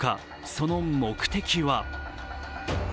その目的は？